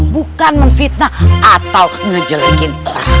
bukan menfitnah atau ngejelekin